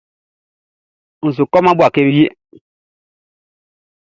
N su kɔman Bouaké wie.